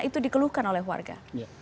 itu dikeluhkan oleh warga